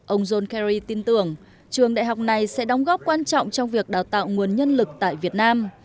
ông john kerry tin tưởng trường đại học này sẽ đóng góp quan trọng trong việc đào tạo nguồn nhân lực tại việt nam